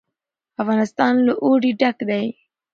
افغانستان له اوړي ډک دی.